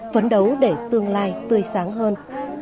phấn đấu để tương lai tươi sáng hơn